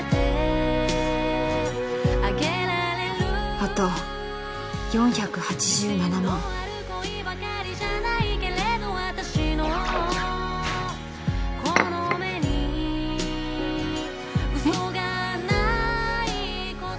あと４８７万えっ？